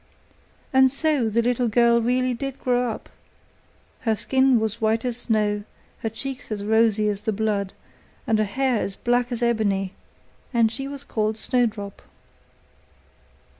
And so the little girl really did grow up; her skin was as white as snow, her cheeks as rosy as the blood, and her hair as black as ebony; and she was called Snowdrop.